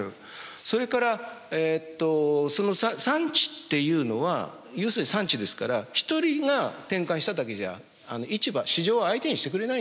それからその産地っていうのは要するに産地ですから一人が転換しただけじゃ市場は相手にしてくれないんです。